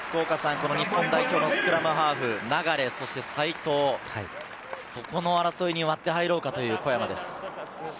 日本代表のスクラムハーフ、流、そして齋藤、その争いに割って入ろうかという小山です。